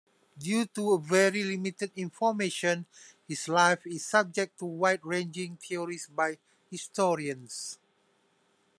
Due to very limited information, his life is subject to wide-ranging theories by historians.